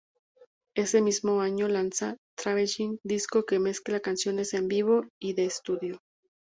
Ese mismo año lanzan "Travelling", disco que mezcla canciones en vivo y de estudio.